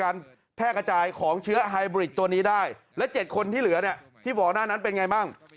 และเจ็ดคนที่เหลือที่บอกหน้านั้นเป็นยังไงบ้าง